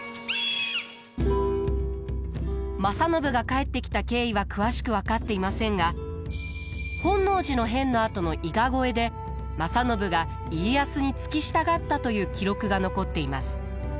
正信が帰ってきた経緯は詳しく分かっていませんが本能寺の変のあとの伊賀越えで正信が家康に付き従ったという記録が残っています。